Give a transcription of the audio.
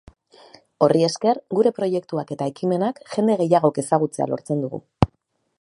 Horri esker, gure proiektuak eta ekimenak jende gehiagok ezagutzea lortzen dugu.